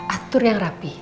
atur yang rapi